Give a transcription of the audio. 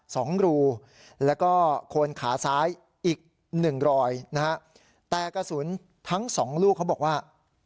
สองรูแล้วก็โคนขาซ้ายอีกหนึ่งรอยนะฮะแต่กระสุนทั้งสองลูกเขาบอกว่า